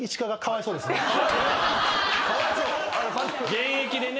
現役でね。